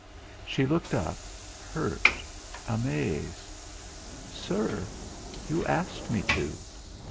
She looked up, hurt, amazed. "Sir, you asked me to."